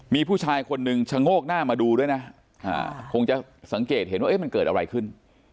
มีผู้ชายคนหนึ่งชะโงกหน้ามาดูด้วยนะคงจะสังเกตเห็นว่ามันเกิดอะไรขึ้น